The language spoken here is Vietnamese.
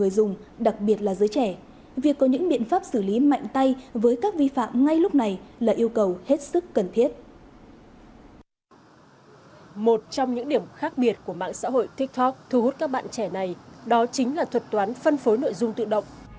cơ quan thuế xã hội tiktok thu hút các bạn trẻ này đó chính là thuật toán phân phối nội dung tự động